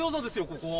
ここは。